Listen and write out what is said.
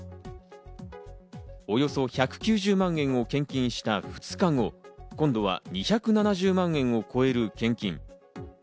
およそ１９０万円を献金した２日後、今度は２７０万円を超える献金。